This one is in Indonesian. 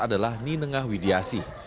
adalah ninengah widiasi